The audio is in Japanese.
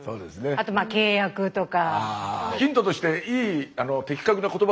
あとまあ契約とか。